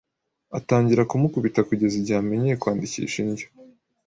atangira kumukubita, kugeza igihe amenyeye kwandikisha indyo.